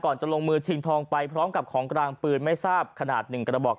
จะลงมือชิงทองไปพร้อมกับของกลางปืนไม่ทราบขนาด๑กระบอก